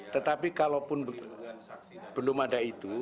tetapi kalau pun belum ada itu